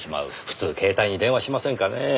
普通携帯に電話しませんかねぇ。